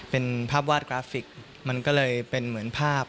เป็นภาพวาดกราฟิกมันก็เลยเป็นเหมือนภาพ